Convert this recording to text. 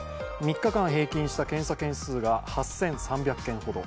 ３日間平均した検査件数が８３００件ほど。